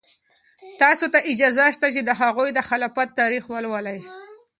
تاسو ته اجازه شته چې د هغوی د خلافت تاریخ ولولئ.